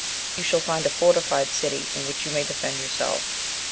You shall find a fortified city in which you may defend yourself.